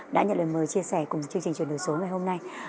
đã nhận lời mời chia sẻ cùng chương trình chuyển đổi số ngày hôm nay